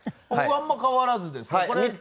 僕あんまり変わらずです。